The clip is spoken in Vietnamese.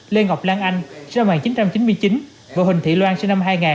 lê ngọc lan anh sinh năm một nghìn chín trăm chín mươi chín và huỳnh thị loan sinh năm hai nghìn